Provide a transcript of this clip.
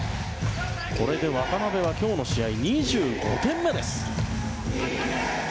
これで渡邊は今日の試合２５点目です。